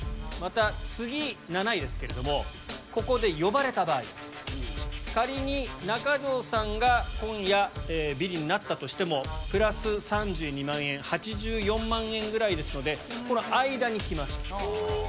また次７位ですけれどもここで呼ばれた場合仮に中条さんが今夜ビリになったとしてもプラス３２万円８４万円ぐらいですのでこの間に来ます。